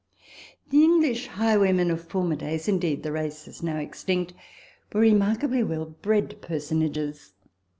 The English highwaymen of former days (indeed, the race is now extinct) were remarkably well bred personages.